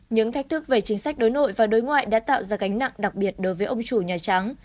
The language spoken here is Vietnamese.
những thách thức về chính sách đối nội và đối ngoại đã tạo ra cánh nặng đặc biệt đối với ông chủ nhà trắng